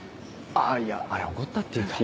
あいやあれおごったっていうか。